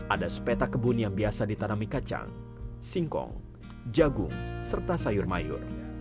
ada sepeta kebun yang biasa ditanami kacang singkong jagung serta sayur mayur